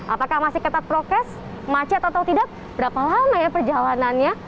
apakah masih ketat prokes macet atau tidak berapa lama ya perjalanannya